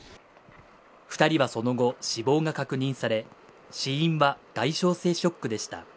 ２人はその後、死亡が確認され死因は外傷性ショックでした。